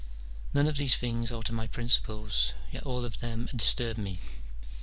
None of these things alter my principles, yet all of them disturb me.